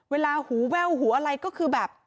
เวลาหูแว่วหูอะไรก็คือแบบ